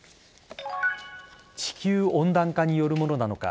地球温暖化によるものなのか